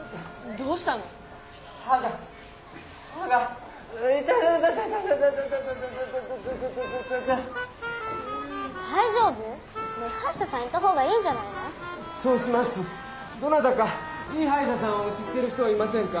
どなたかいいはいしゃさんを知ってる人はいませんか？